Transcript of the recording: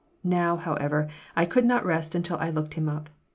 Now, however, I could not rest until I looked him up.